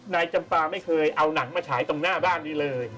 นายจำปาไม่เคยเอาหนังมาฉายตรงหน้าบ้านนี้เลย